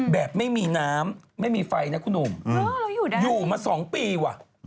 แบบไม่มีน้ำไม่มีไฟนะคุณหนุ่มอยู่มา๒ปีว่ะ